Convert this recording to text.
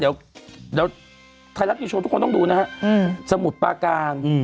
ไทยรัฐสิทธิกช่วงทุกคนต้องดูนะสมุทรปลากลาง